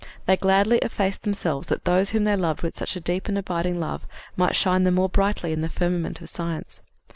They gladly effaced themselves that those whom they loved with such a deep and abiding love might shine the more brightly in the firmament of science.